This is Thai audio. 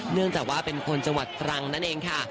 เนื่องจากว่าเป็นคนจังหวัดตรังนั่นเองค่ะ